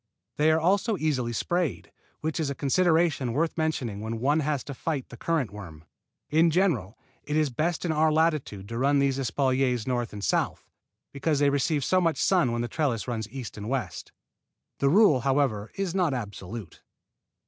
They are also easily sprayed, which is a consideration worth mentioning when one has to fight the currant worm. In general, it is best in our latitude to run these espaliers north and south, because they receive too much sun when the trellis runs east and west. This rule, however, is not absolute.